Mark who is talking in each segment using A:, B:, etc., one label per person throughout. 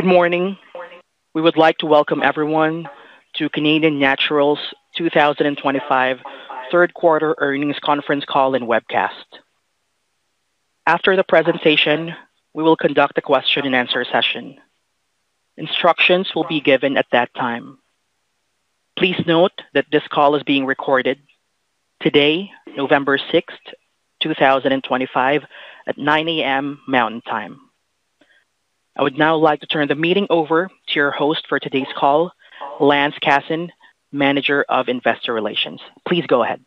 A: Good morning. We would like to welcome everyone to Canadian Natural Resources 2025 Third Quarter Earnings Conference Call and Webcast. After the presentation, we will conduct a question-and-answer session. Instructions will be given at that time. Please note that this call is being recorded today, November 6th, 2025, at 9:00 A.M. Mountain Time. I would now like to turn the meeting over to your host for today's call, Lance Casson, Manager of Investor Relations. Please go ahead.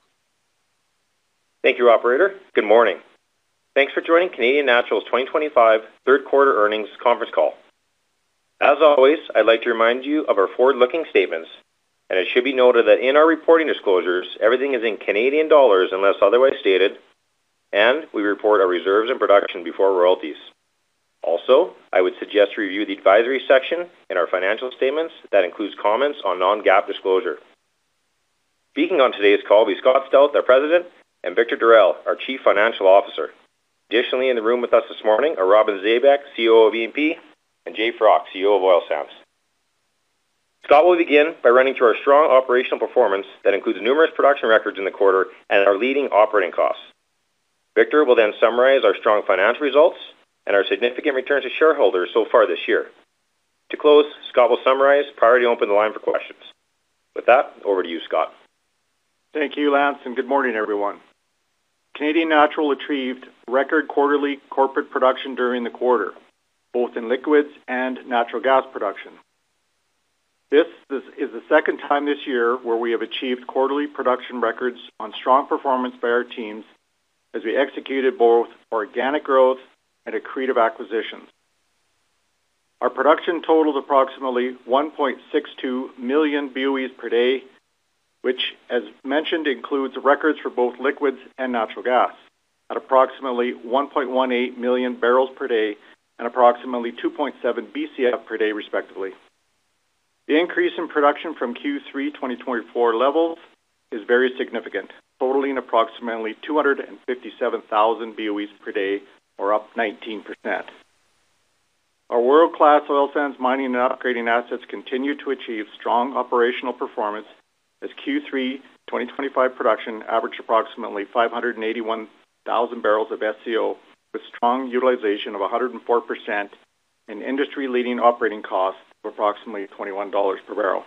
B: Thank you, Operator. Good morning. Thanks for joining Canadian Natural Resources 2025 third quarter earnings conference call. As always, I'd like to remind you of our forward-looking statements, and it should be noted that in our reporting disclosures, everything is in CAD unless otherwise stated, and we report our reserves and production before royalties. Also, I would suggest you review the advisory section in our financial statements that includes comments on Non-GAAP disclosure. Speaking on today's call will be Scott Stauth, our President, and Victor Darel, our Chief Financial Officer. Additionally, in the room with us this morning are Robin Zabek, CEO of E&P, and Jay Froc, CEO of Oil Sands. Scott will begin by running through our strong operational performance that includes numerous production records in the quarter and our leading operating costs. Victor will then summarize our strong financial results and our significant returns to shareholders so far this year. To close, Scott will summarize prior to you opening the line for questions. With that, over to you, Scott.
C: Thank you, Lance, and good morning, everyone. Canadian Natural achieved record quarterly corporate production during the quarter, both in liquids and natural gas production. This is the second time this year where we have achieved quarterly production records on strong performance by our teams as we executed both organic growth and accretive acquisitions. Our production totals approximately 1.62 million BOEs per day, which, as mentioned, includes records for both liquids and natural gas at approximately 1.18 MMbpd and approximately 2.7 BCF per day, respectively. The increase in production from Q3 2024 levels is very significant, totaling approximately 257,000 BOEs per day, or up 19%. Our world-class oil sands mining and upgrading assets continue to achieve strong operational performance as Q3 2025 production averaged approximately 581,000 bbl of SCO with strong utilization of 104% and industry-leading operating costs of approximately 21 dollars per barrel.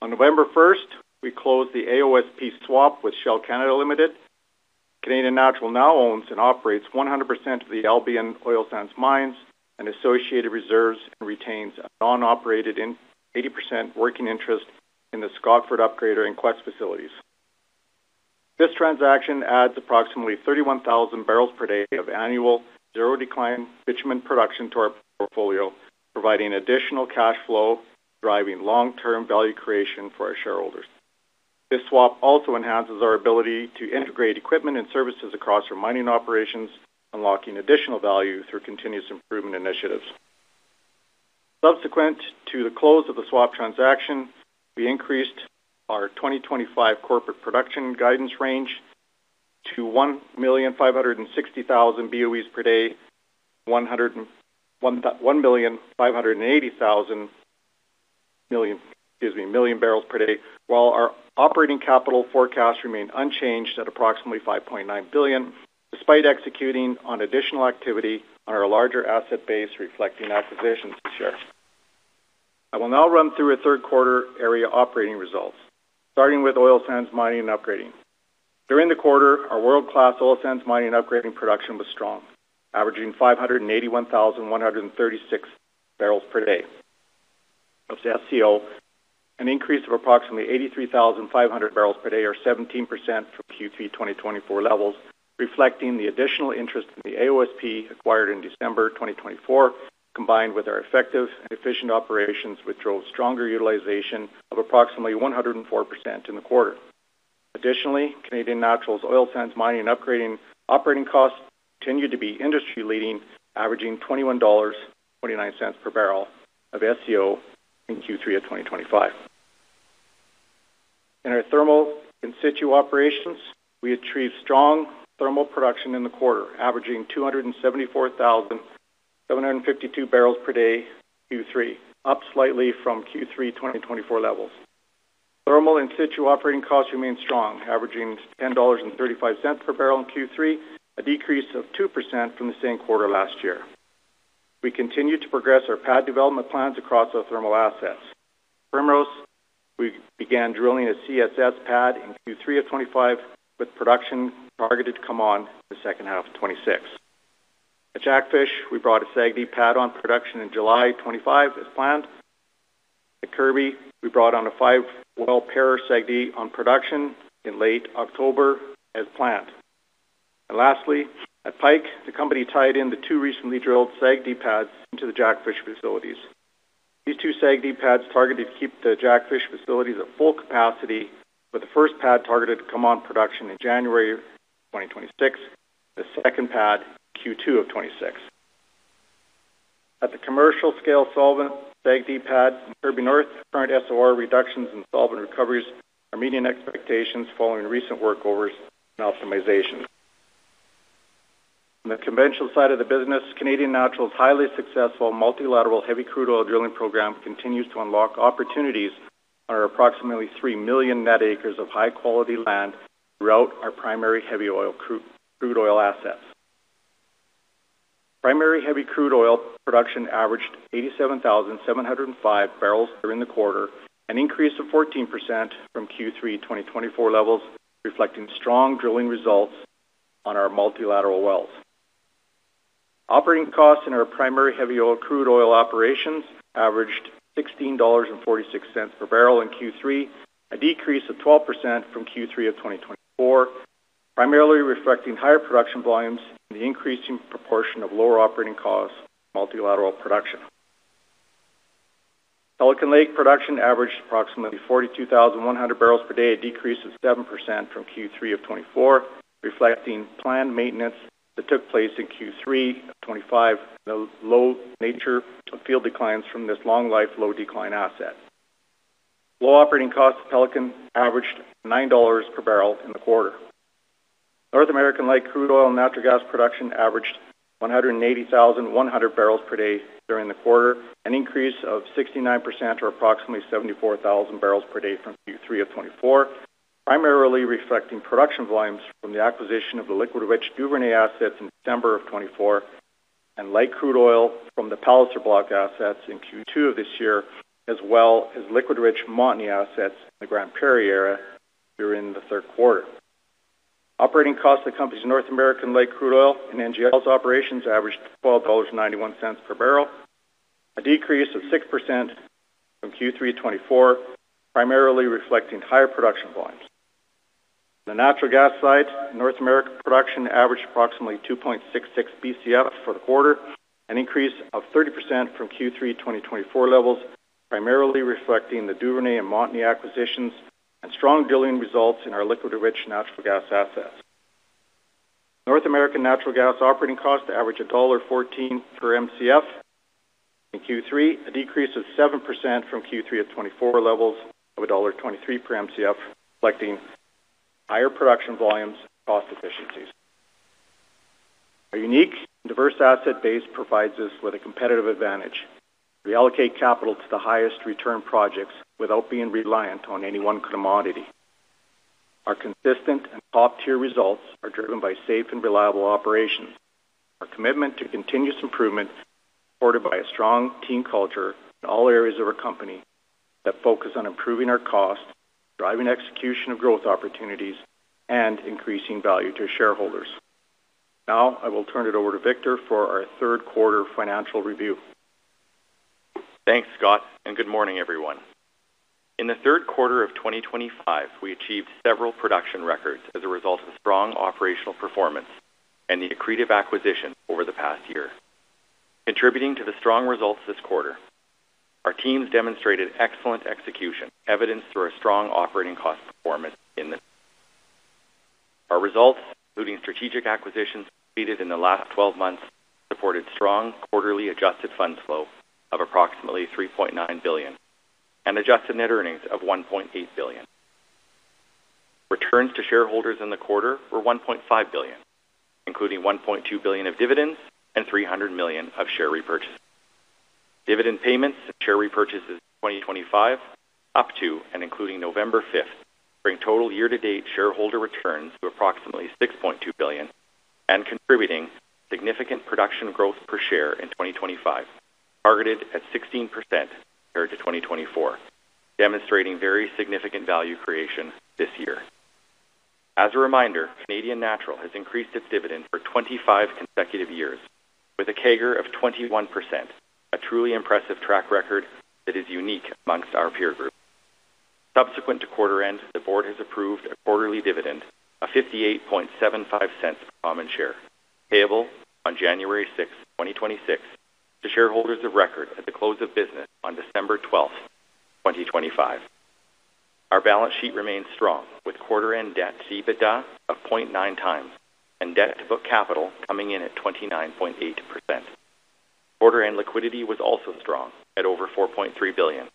C: On November 1st, we closed the AOSP swap with Shell Canada Limited. Canadian Natural now owns and operates 100% of the Albion Oil Sands mines and associated reserves and retains a non-operated 80% working interest in the Scotford upgrader and Quest facilities. This transaction adds approximately 31,000 bbl per day of annual zero-decline bitumen production to our portfolio, providing additional cash flow driving long-term value creation for our shareholders. This swap also enhances our ability to integrate equipment and services across our mining operations, unlocking additional value through continuous improvement initiatives. Subsequent to the close of the swap transaction, we increased our 2025 corporate production guidance range to 1,560,000-1,580,000 BOEs per day, while our operating capital forecast remained unchanged at approximately 5.9 billion, despite executing on additional activity on our larger asset base, reflecting acquisitions this year. I will now run through a third quarter area operating results, starting with oil sands mining and upgrading. During the quarter, our world-class oil sands mining and upgrading production was strong, averaging 581,136 bbl per day of SCO, an increase of approximately 83,500 bbl per day, or 17% from Q3 2024 levels, reflecting the additional interest in the AOSP acquired in December 2024, combined with our effective and efficient operations with stronger utilization of approximately 104% in the quarter. Additionally, Canadian Natural's oil sands mining and upgrading operating costs continued to be industry-leading, averaging 21.29 dollars per barrel of SCO in Q3 of 2025. In our thermal in situ operations, we achieved strong thermal production in the quarter, averaging 274,752 bbl per day Q3, up slightly from Q3 2024 levels. Thermal in situ operating costs remained strong, averaging 10.35 dollars per barrel in Q3, a decrease of 2% from the same quarter last year. We continue to progress our pad development plans across our thermal assets. At Primrose, we began drilling a CSS pad in Q3 of 2025 with production targeted to come on in the second half of 2026. At Jackfish, we brought a SAGD pad on production in July 2025 as planned. At Kirby, we brought on a five-oil pair SAGD on production in late October as planned. Lastly, at Pike, the company tied in the two recently drilled SAGD pads into the Jackfish facilities. These two SAGD pads are targeted to keep the Jackfish facilities at full capacity, with the first pad targeted to come on production in January 2026, the second pad in Q2 of 2026. At the commercial scale solvent SAGD pad in Kirby North, current SOR reductions and solvent recoveries are meeting expectations following recent workovers and optimization. On the conventional side of the business, Canadian Natural's highly successful multilateral heavy crude oil drilling program continues to unlock opportunities on our approximately 3 million net acres of high-quality land throughout our primary heavy oil crude oil assets. Primary heavy crude oil production averaged 87,705 bbl during the quarter, an increase of 14% from Q3 2024 levels, reflecting strong drilling results on our multilateral wells. Operating costs in our primary heavy oil crude oil operations averaged 16.46 dollars per barrel in Q3, a decrease of 12% from Q3 of 2024, primarily reflecting higher production volumes and the increasing proportion of lower operating costs from multilateral production. Pelican Lake production averaged approximately 42,100 bbl per day, a decrease of 7% from Q3 of 2024, reflecting planned maintenance that took place in Q3 of 2025 and the low nature of field declines from this long-life low-decline asset. Low operating costs of Pelican averaged 9 dollars per barrel in the quarter. North American light crude oil and natural gas production averaged 180,100 bbl per day during the quarter, an increase of 69% or approximately 74,000 bbl per day from Q3 of 2024, primarily reflecting production volumes from the acquisition of the liquid-rich Duvernay assets in December of 2024 and light crude oil from the Palliser Block assets in Q2 of this year, as well as liquid-rich Montney assets in the Grand Prairie area during the third quarter. Operating costs of the company's North American light crude oil and NGL operations averaged 12.91 dollars per barrel, a decrease of 6%. From Q3 of 2024, primarily reflecting higher production volumes. On the natural gas side, North American production averaged approximately 2.66 BCF for the quarter, an increase of 30% from Q3 2024 levels, primarily reflecting the Duvernay and Montney acquisitions and strong drilling results in our liquid-rich natural gas assets. North American natural gas operating costs averaged dollar 1.14 per MCF in Q3, a decrease of 7% from Q3 of 2024 levels of dollar 1.23 per MCF, reflecting higher production volumes and cost efficiencies. Our unique and diverse asset base provides us with a competitive advantage. We allocate capital to the highest return projects without being reliant on any one commodity. Our consistent and top-tier results are driven by safe and reliable operations. Our commitment to continuous improvement is supported by a strong team culture in all areas of our company that focuses on improving our costs, driving execution of growth opportunities, and increasing value to shareholders. Now, I will turn it over to Victor for our third quarter financial review.
D: Thanks, Scott, and good morning, everyone. In the third quarter of 2025, we achieved several production records as a result of strong operational performance and the accretive acquisition over the past year. Contributing to the strong results this quarter, our teams demonstrated excellent execution, evidenced through our strong operating cost performance. Our results, including strategic acquisitions completed in the last 12 months, supported strong quarterly adjusted funds flow of approximately 3.9 billion and adjusted net earnings of 1.8 billion. Returns to shareholders in the quarter were 1.5 billion, including 1.2 billion of dividends and 300 million of share repurchases. Dividend payments and share repurchases in 2025, up to and including November 5th, bring total year-to-date shareholder returns to approximately 6.2 billion and contributing significant production growth per share in 2025, targeted at 16% compared to 2024, demonstrating very significant value creation this year. As a reminder, Canadian Natural has increased its dividend for 25 consecutive years, with a CAGR of 21%, a truly impressive track record that is unique amongst our peer group. Subsequent to quarter-end, the board has approved a quarterly dividend of 58.75 per common share, payable on January 6th, 2026, to shareholders of record at the close of business on December 12th, 2025. Our balance sheet remains strong, with quarter-end debt to EBITDA of 0.9 times and debt to book capital coming in at 29.8%. Quarter-end liquidity was also strong at over 4.3 billion,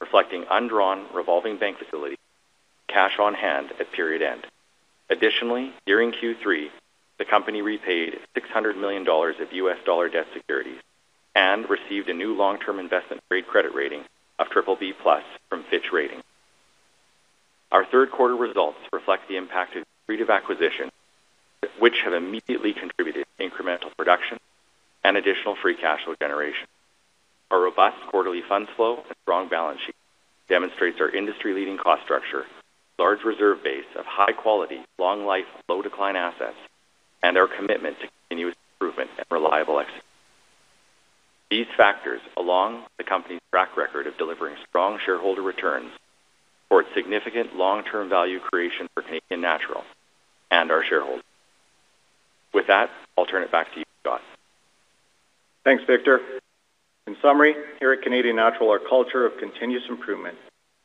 D: reflecting undrawn revolving bank facility cash on hand at period end. Additionally, during Q3, the company repaid $600 million of debt securities and received a new long-term investment-grade credit rating of BBB+ from Fitch Ratings. Our third quarter results reflect the impact of accretive acquisitions, which have immediately contributed to incremental production and additional free cash flow generation. Our robust quarterly funds flow and strong balance sheet demonstrate our industry-leading cost structure, large reserve base of high-quality, long-life, low-decline assets, and our commitment to continuous improvement and reliable execution. These factors, along with the company's track record of delivering strong shareholder returns, support significant long-term value creation for Canadian Natural and our shareholders. With that, I'll turn it back to you, Scott.
C: Thanks, Victor. In summary, here at Canadian Natural, our culture of continuous improvement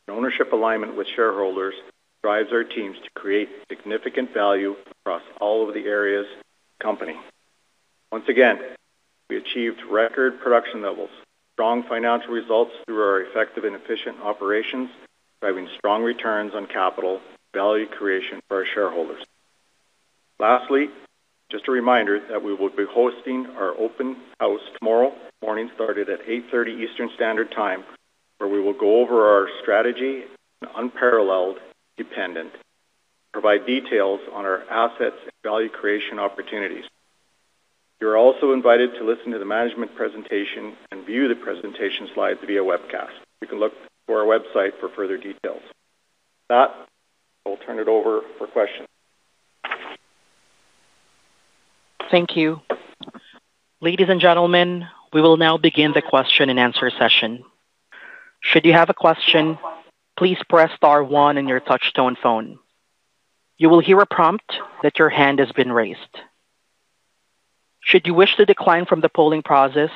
C: and ownership alignment with shareholders drives our teams to create significant value across all of the areas of the company. Once again, we achieved record production levels, strong financial results through our effective and efficient operations, driving strong returns on capital and value creation for our shareholders. Lastly, just a reminder that we will be hosting our open house tomorrow morning, starting at 8:30 A.M. Eastern Standard Time, where we will go over our strategy and unparalleled dependability and provide details on our assets and value creation opportunities. You're also invited to listen to the management presentation and view the presentation slides via webcast. You can look for our website for further details. With that, I will turn it over for questions.
A: Thank you. Ladies and gentlemen, we will now begin the question-and-answer session. Should you have a question, please press star one on your touchstone phone. You will hear a prompt that your hand has been raised. Should you wish to decline from the polling process,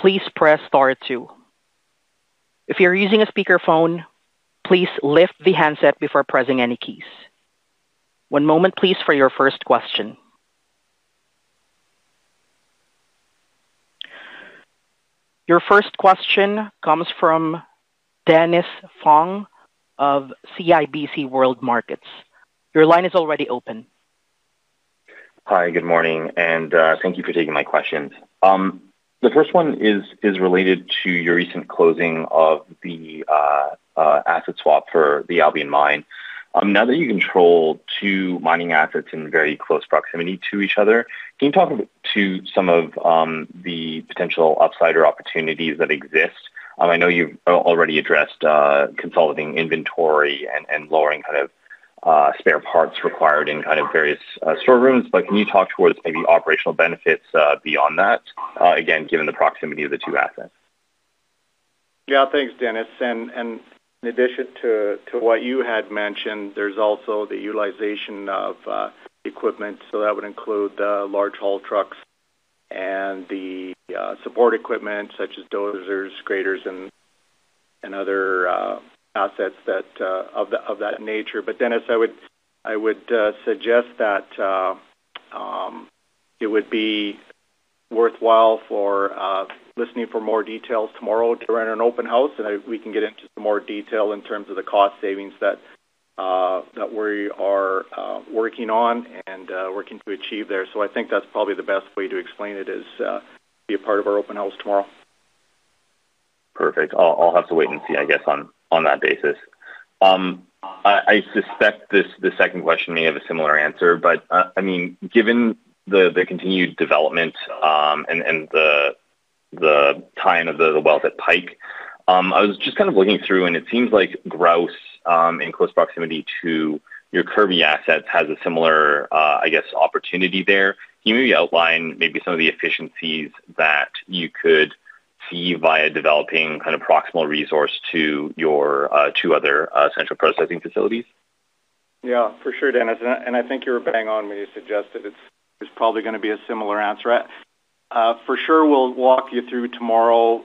A: please press star two. If you're using a speakerphone, please lift the handset before pressing any keys. One moment, please, for your first question. Your first question comes from Dennis Fong of CIBC World Markets. Your line is already open.
E: Hi, good morning, and thank you for taking my questions. The first one is related to your recent closing of the asset swap for the Albion Oil Sands. Now that you control two mining assets in very close proximity to each other, can you talk to some of the potential upsider opportunities that exist? I know you've already addressed consolidating inventory and lowering kind of spare parts required in kind of various storerooms, but can you talk towards maybe operational benefits beyond that, again, given the proximity of the two assets?
C: Yeah, thanks, Dennis. In addition to what you had mentioned, there is also the utilization of equipment, so that would include the large haul trucks and the support equipment such as dozers, graders, and other assets of that nature. Dennis, I would suggest that it would be worthwhile listening for more details tomorrow during an open house, and we can get into some more detail in terms of the cost savings that we are working on and working to achieve there. I think that is probably the best way to explain it, to be a part of our open house tomorrow.
E: Perfect. I'll have to wait and see, I guess, on that basis. I suspect the second question may have a similar answer, but I mean, given the continued development and the tying of the wells at Pike, I was just kind of looking through, and it seems like Grouse, in close proximity to your Kirby assets, has a similar, I guess, opportunity there. Can you maybe outline maybe some of the efficiencies that you could see via developing kind of proximal resource to your two other central processing facilities?
C: Yeah, for sure, Dennis. I think you were bang on when you suggested it's probably going to be a similar answer. For sure, we'll walk you through tomorrow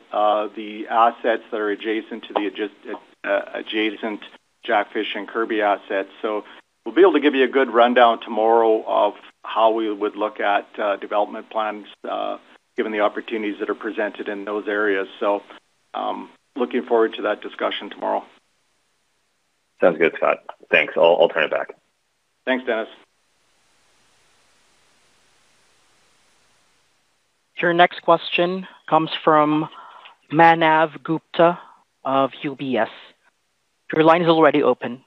C: the assets that are adjacent to the Jackfish and Kirby assets. We'll be able to give you a good rundown tomorrow of how we would look at development plans given the opportunities that are presented in those areas. Looking forward to that discussion tomorrow.
E: Sounds good, Scott. Thanks. I'll turn it back.
C: Thanks, Dennis.
A: Your next question comes from Manav Gupta of UBS. Your line is already open.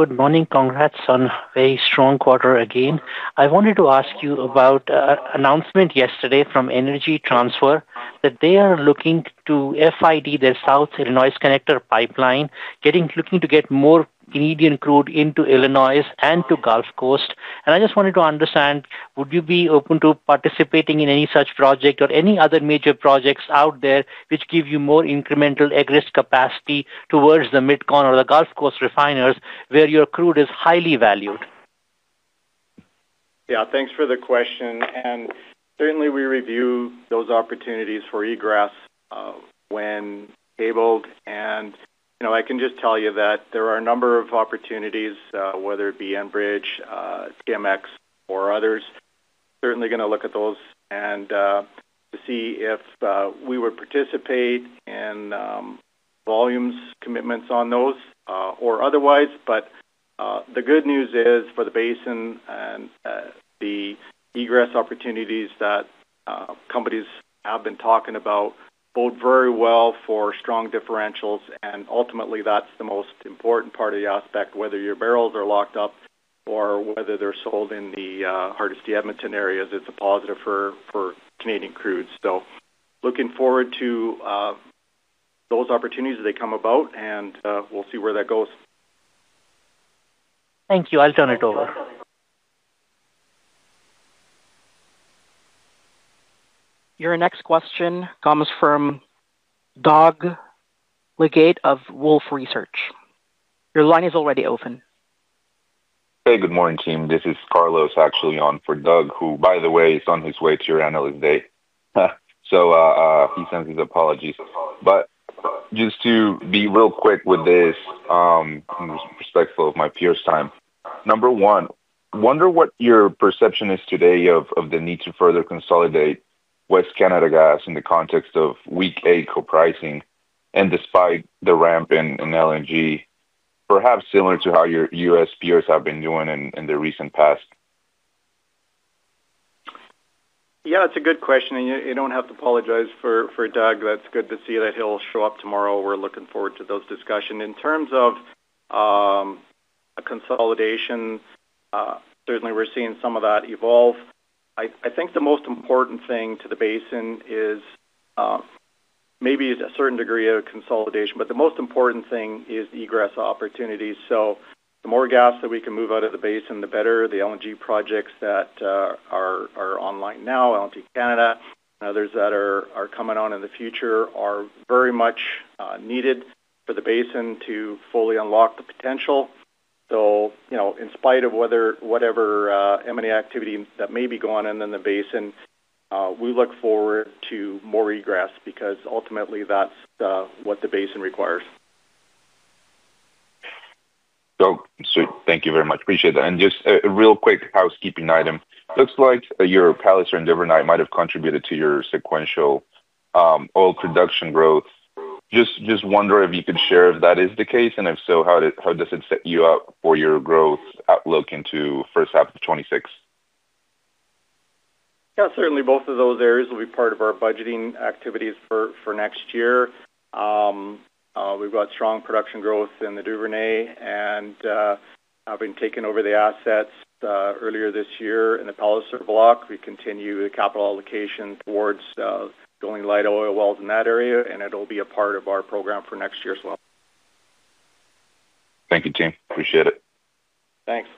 F: Good morning. Congrats on a very strong quarter again. I wanted to ask you about an announcement yesterday from Energy Transfer that they are looking to FID their South Illinois connector pipeline, looking to get more Canadian crude into Illinois and to Gulf Coast. I just wanted to understand, would you be open to participating in any such project or any other major projects out there which give you more incremental egress capacity towards the Midcontinent or the Gulf Coast refiners where your crude is highly valued?
C: Yeah, thanks for the question. Certainly, we review those opportunities for egress when able. I can just tell you that there are a number of opportunities, whether it be Enbridge, TMX, or others. Certainly going to look at those to see if we would participate in volumes commitments on those or otherwise. The good news is for the basin and the egress opportunities that companies have been talking about bode very well for strong differentials. Ultimately, that's the most important part of the aspect. Whether your barrels are locked up or whether they're sold in the hardest-to-admit-to areas, it's a positive for Canadian crude. Looking forward to those opportunities as they come about, and we'll see where that goes.
F: Thank you. I'll turn it over.
A: Your next question comes from Doug Leggate of Wolfe Research. Your line is already open.
G: Hey, good morning, team. This is Carlos, actually, on for Doug, who, by the way, is on his way to your Analyst Day. He sends his apologies. Just to be real quick with this and respectful of my peers' time. Number one, I wonder what your perception is today of the need to further consolidate West Canada gas in the context of weak AECO pricing and despite the ramp in LNG, perhaps similar to how your US peers have been doing in the recent past.
C: Yeah, it's a good question. You don't have to apologize for Doug. That's good to see that he'll show up tomorrow. We're looking forward to those discussions. In terms of consolidation, certainly, we're seeing some of that evolve. I think the most important thing to the basin is maybe a certain degree of consolidation, but the most important thing is egress opportunities. The more gas that we can move out of the basin, the better. The LNG projects that are online now, LNG Canada and others that are coming on in the future, are very much needed for the basin to fully unlock the potential. In spite of whatever M&A activity that may be going on in the basin, we look forward to more egress because ultimately, that's what the basin requires.
G: Doug, thank you very much. Appreciate that. Just a real quick housekeeping item. Looks like your Palliser or Endeavor night might have contributed to your sequential oil production growth. Just wondering if you could share if that is the case, and if so, how does it set you up for your growth outlook into the first half of 2026?
C: Yeah, certainly, both of those areas will be part of our budgeting activities for next year. We've got strong production growth in the Duvernay. Having taken over the assets earlier this year in the Palliser block, we continue the capital allocation towards drilling light oil wells in that area, and it'll be a part of our program for next year as well.
G: Thank you, team. Appreciate it.
C: Thanks.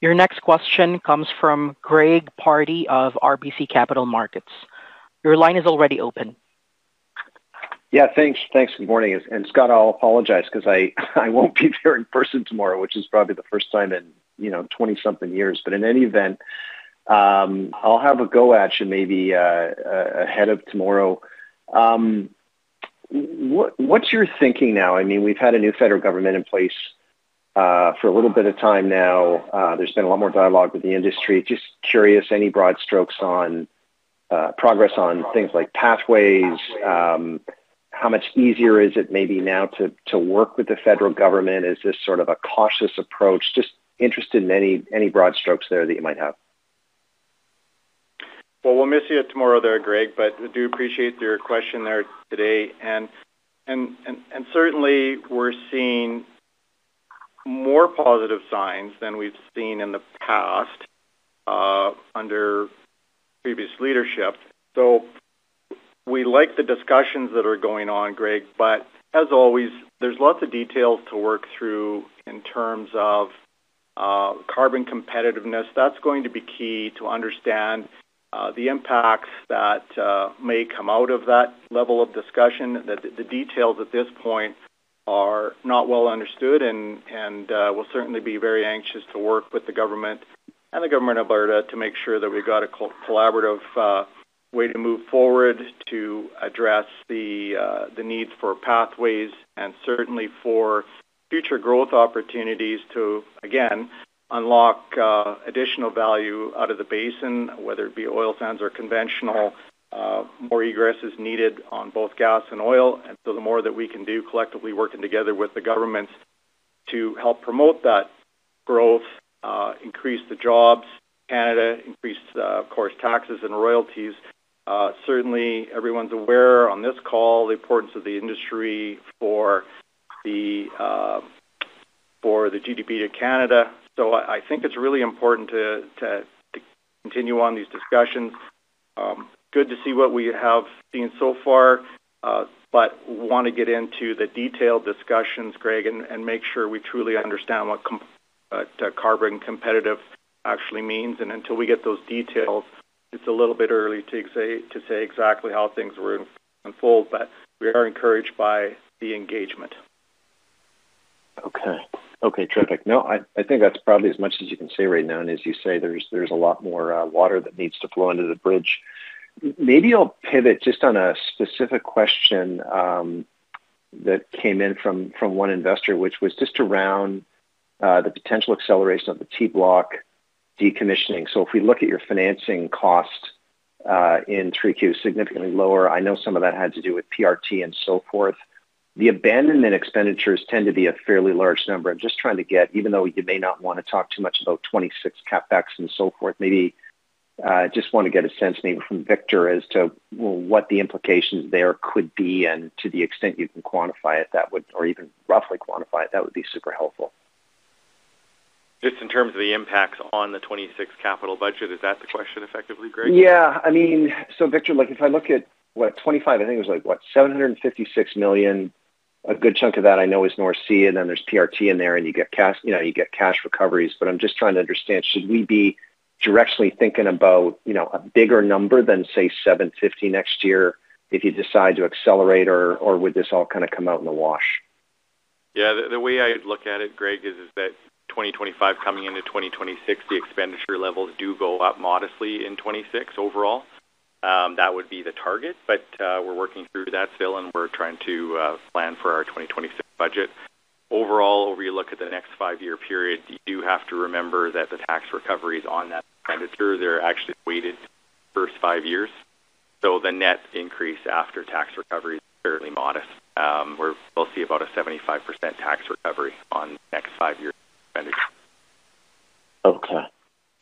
A: Your next question comes from Greg Pardy of RBC Capital Markets. Your line is already open.
H: Yeah, thanks. Good morning. Scott, I'll apologize because I won't be there in person tomorrow, which is probably the first time in 20-something years. In any event, I'll have a go at you maybe ahead of tomorrow. What's your thinking now? I mean, we've had a new federal government in place for a little bit of time now. There's been a lot more dialogue with the industry. Just curious, any broad strokes on progress on things like pathways? How much easier is it maybe now to work with the federal government? Is this sort of a cautious approach? Just interested in any broad strokes there that you might have.
C: We will miss you tomorrow there, Greg, but I do appreciate your question today. Certainly, we are seeing more positive signs than we have seen in the past under previous leadership. We like the discussions that are going on, Greg, but as always, there are lots of details to work through in terms of carbon competitiveness. That is going to be key to understand the impacts that may come out of that level of discussion. The details at this point are not well understood, and we will certainly be very anxious to work with the government and the government of Alberta to make sure that we have a collaborative way to move forward to address the needs for pathways and certainly for future growth opportunities to, again, unlock additional value out of the basin, whether it be oil sands or conventional. More egress is needed on both gas and oil. The more that we can do collectively working together with the governments to help promote that growth, increase the jobs in Canada, increase, of course, taxes and royalties. Certainly, everyone's aware on this call the importance of the industry for the GDP to Canada. I think it's really important to continue on these discussions. Good to see what we have seen so far, but we want to get into the detailed discussions, Greg, and make sure we truly understand what carbon competitive actually means. Until we get those details, it's a little bit early to say exactly how things will unfold, but we are encouraged by the engagement.
H: Okay. Okay, terrific. No, I think that's probably as much as you can say right now. As you say, there's a lot more water that needs to flow into the bridge. Maybe I'll pivot just on a specific question that came in from one investor, which was just around the potential acceleration of the T block decommissioning. If we look at your financing cost in 3Q, significantly lower, I know some of that had to do with PRT and so forth. The abandonment expenditures tend to be a fairly large number. I'm just trying to get, even though you may not want to talk too much about 2026 CapEx and so forth, maybe I just want to get a sense maybe from Victor as to what the implications there could be and to the extent you can quantify it or even roughly quantify it. That would be super helpful.
D: Just in terms of the impacts on the 2026 capital budget, is that the question effectively, Greg?
H: Yeah. I mean, so Victor, if I look at what, 2025, I think it was like, what, 756 million, a good chunk of that I know is North Sea, and then there's PRT in there, and you get cash recoveries. I'm just trying to understand, should we be directionally thinking about a bigger number than, say, 750 million next year if you decide to accelerate, or would this all kind of come out in the wash?
D: Yeah. The way I'd look at it, Greg, is that 2025 coming into 2026, the expenditure levels do go up modestly in 2026 overall. That would be the target. We're working through that still, and we're trying to plan for our 2026 budget. Overall, if you look at the next five-year period, you do have to remember that the tax recoveries on that expenditure, they're actually weighted first five years. The net increase after tax recovery is fairly modest. We'll see about a 75% tax recovery on the next five-year expenditure.
H: Okay.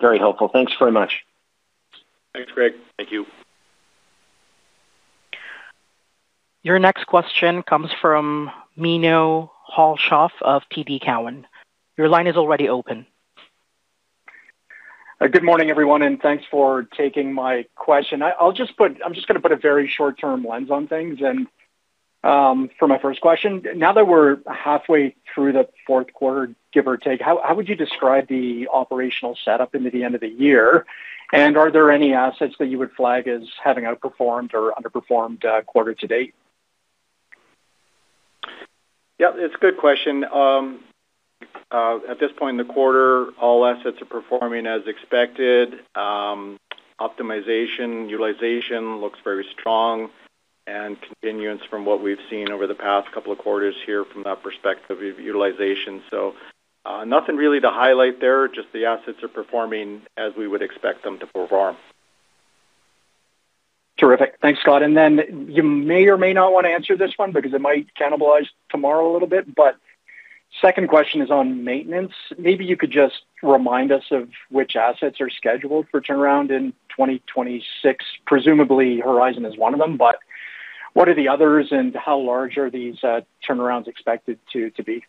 H: Very helpful. Thanks very much.
D: Thanks, Greg. Thank you.
A: Your next question comes from Menno Hulshof of TD Cowen. Your line is already open.
I: Good morning, everyone, and thanks for taking my question. I'm just going to put a very short-term lens on things. For my first question, now that we're halfway through the fourth quarter, give or take, how would you describe the operational setup into the end of the year? Are there any assets that you would flag as having outperformed or underperformed quarter to date?
C: Yeah, it's a good question. At this point in the quarter, all assets are performing as expected. Optimization, utilization looks very strong. Continuance from what we've seen over the past couple of quarters here from that perspective of utilization. Nothing really to highlight there, just the assets are performing as we would expect them to perform.
I: Terrific. Thanks, Scott. You may or may not want to answer this one because it might cannibalize tomorrow a little bit. Second question is on maintenance. Maybe you could just remind us of which assets are scheduled for turnaround in 2026. Presumably, Horizon is one of them, but what are the others and how large are these turnarounds expected to be?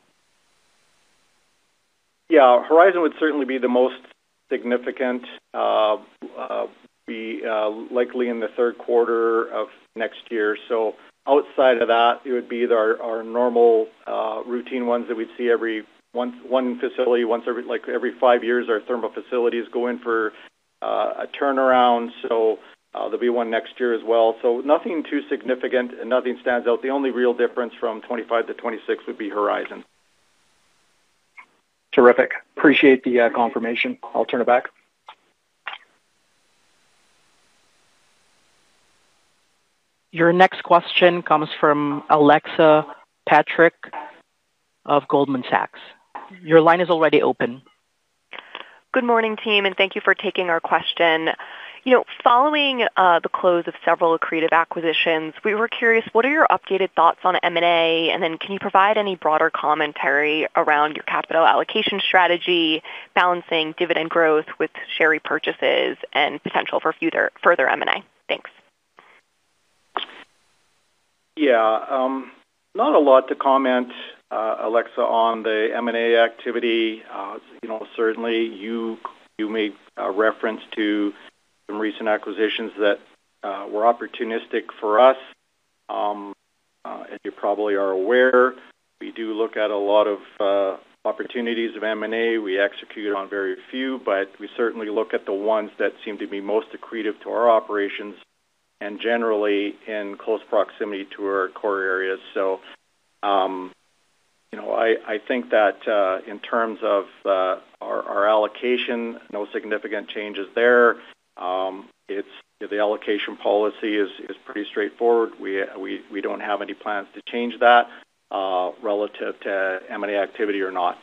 C: Yeah, Horizon would certainly be the most significant. Likely in the third quarter of next year. Outside of that, it would be our normal routine ones that we'd see every one facility. Every five years, our thermal facilities go in for a turnaround. There'll be one next year as well. Nothing too significant and nothing stands out. The only real difference from 2025 to 2026 would be Horizon.
I: Terrific. Appreciate the confirmation. I'll turn it back.
A: Your next question comes from Alexa Petrick of Goldman Sachs. Your line is already open.
J: Good morning, team, and thank you for taking our question. Following the close of several creative acquisitions, we were curious, what are your updated thoughts on M&A? Can you provide any broader commentary around your capital allocation strategy, balancing dividend growth with share repurchases and potential for further M&A? Thanks.
C: Yeah. Not a lot to comment, Alexa, on the M&A activity. Certainly, you made reference to some recent acquisitions that were opportunistic for us. As you probably are aware, we do look at a lot of opportunities of M&A. We execute on very few, but we certainly look at the ones that seem to be most accretive to our operations and generally in close proximity to our core areas. I think that in terms of our allocation, no significant changes there. The allocation policy is pretty straightforward. We do not have any plans to change that relative to M&A activity or not.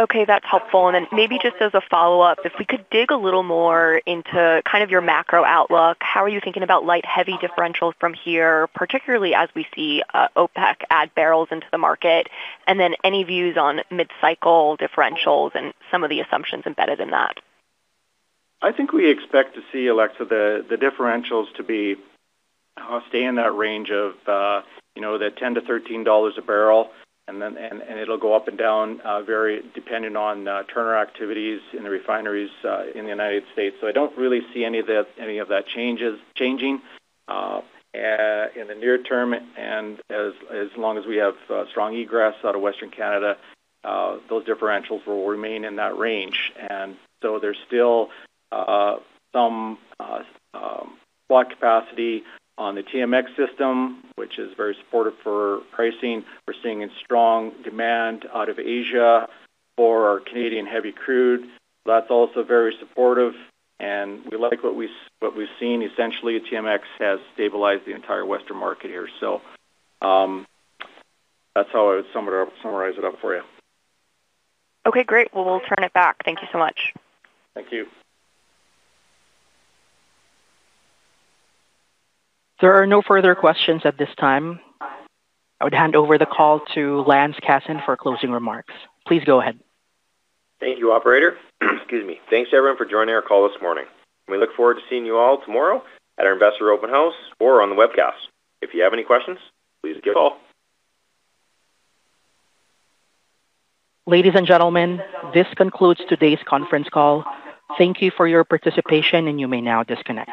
J: Okay, that's helpful. Maybe just as a follow-up, if we could dig a little more into kind of your macro outlook, how are you thinking about light-heavy differentials from here, particularly as we see OPEC add barrels into the market? Any views on mid-cycle differentials and some of the assumptions embedded in that?
C: I think we expect to see, Alexa, the differentials to be, stay in that range of that 10-13 dollars a barrel, and it'll go up and down depending on turner activities in the refineries in the United States. I don't really see any of that changing in the near term. As long as we have strong egress out of Western Canada, those differentials will remain in that range. There's still some block capacity on the TMX system, which is very supportive for pricing. We're seeing strong demand out of Asia for our Canadian heavy crude. That's also very supportive. We like what we've seen. Essentially, TMX has stabilized the entire Western market here. That's how I would summarize it up for you.
J: Okay, great. Thank you so much.
C: Thank you.
A: There are no further questions at this time. I would hand over the call to Lance Casson for closing remarks. Please go ahead.
B: Thank you, operator. Excuse me. Thanks, everyone, for joining our call this morning. We look forward to seeing you all tomorrow at our investor open house or on the webcast. If you have any questions, please give us a call.
A: Ladies and gentlemen, this concludes today's conference call. Thank you for your participation, and you may now disconnect.